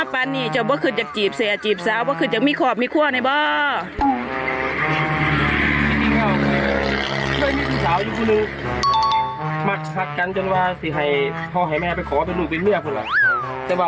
ปะโทคุณไปจีบคนมีผัวแล้วอะ